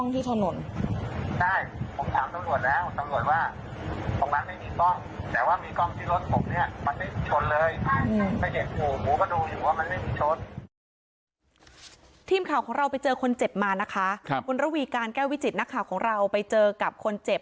ทีมข่าวของเราไปเจอคนเจ็บมานะคะคุณระวีการแก้ววิจิตนักข่าวของเราไปเจอกับคนเจ็บ